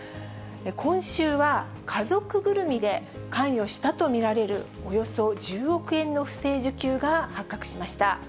今週は、家族ぐるみで関与したと見られるおよそ１０億円の不正受給が発覚しました。